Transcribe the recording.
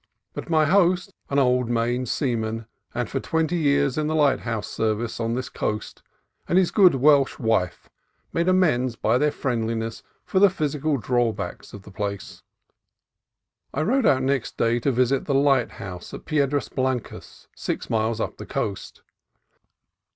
But my host (an old Maine seaman, and for twenty years in the lighthouse service on this coast) and his good Welsh wife made amends by their friendliness for the physical drawbacks of the place. I rode out next day to visit the lighthouse at Pie dras Blancas, six miles up the coast.